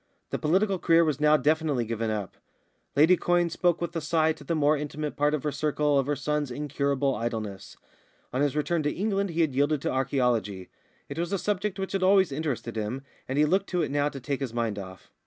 The political career was now definitely given up. Lady Quyne spoke with a sigh to the more intimate part of her circle of her son's incurable idleness. On his return to England he had yielded to archæology; it was a subject which had always interested him, and he looked to it now to take his mind off.